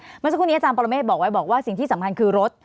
เมื่อสักครู่นี้อาจารย์ปรเมฆบอกไว้บอกว่าสิ่งที่สำคัญคือรถ